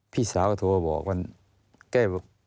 พี่สาวก็โทรบอกว่า